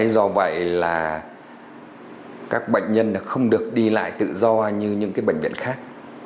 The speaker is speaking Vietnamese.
do vậy là các bệnh nhân không được đi lại tự do như những bệnh viện khác